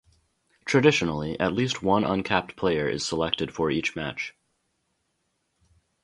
Traditionally at least one uncapped player is selected for each match.